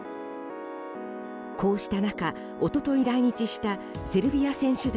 こうした中、一昨日来日したセルビア選手団